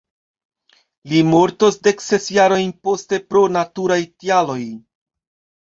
Li mortos dek ses jarojn poste pro naturaj tialoj.